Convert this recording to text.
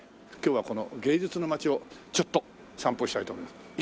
今日はこの芸術の街をちょっと散歩したいと思います。